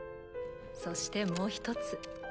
そしてもう一つ。